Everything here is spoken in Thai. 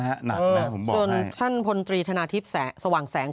ส่วนท่านพลตรีธนาทิพย์สว่างแสง